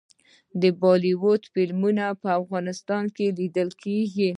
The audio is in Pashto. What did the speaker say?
د بالیووډ فلمونه په افغانستان کې لیدل کیږي.